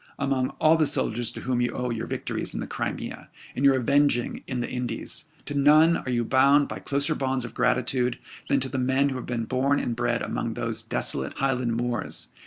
Among all the soldiers to whom you owe your victories in the Crimea, and your avenging in the Indies, to none are you bound by closer bonds of gratitude than to the men who have been born and bred among those desolate Highland moors.